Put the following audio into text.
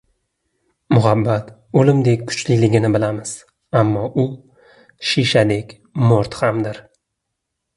Muhabbat o‘limdek kuchliligini bilamiz, ammo u shishadek mo‘rt hamdir.